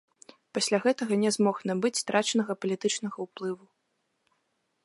Пасля гэтага не змог набыць страчанага палітычнага ўплыву.